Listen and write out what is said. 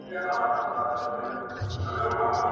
چي اغږلی یې په خټه کي عادت دی ..